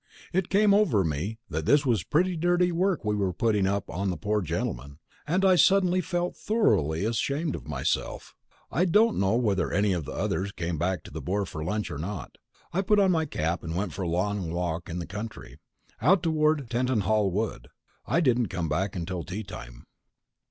It came over me that this was pretty dirty work we were putting up on the poor gentleman, and I suddenly felt thoroughly ashamed of myself. I don't know whether any of the others came back to the Boar for lunch, or not. I put on my cap and went for a long walk in the country, out toward Tettenhall Wood. I didn't come back until tea time.